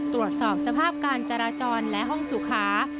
ตรวจสอบสภาพการจราจรและห้องสุขา